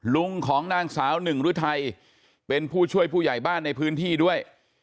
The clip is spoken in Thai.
ลุงของนางสาวหนึ่งฤทัยเป็นผู้ช่วยผู้ใหญ่บ้านในพื้นที่ด้วย